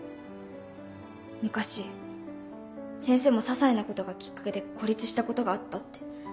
昔先生も些細なことがキッカケで孤立したことがあったって。